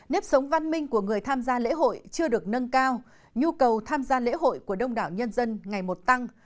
nếp sống văn minh của người tham gia lễ hội chưa được nâng cao nhu cầu tham gia lễ hội của đông đảo nhân dân ngày một tăng